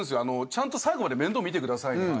ちゃんと最後まで面倒見てくださいって。